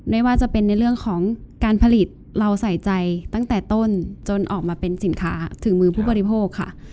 ไม่ว่าจะเป็นในเรื่องของการผลิตเราใส่ใจตั้งแต่ต้นจนออกมาเป็นสินค้าถึงมือผู้บริโภคค่ะ